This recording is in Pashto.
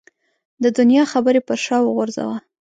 د دنیا خبرې پر شا وغورځوه.